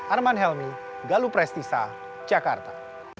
arman helmi galuh prestisa jakarta